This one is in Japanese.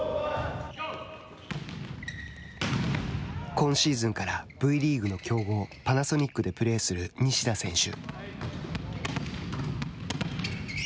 今週からＶリーグの強豪パナソニックでプレーする西田選手。